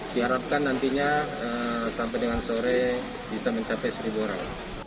diharapkan nantinya sampai dengan sore bisa mencapai seribu orang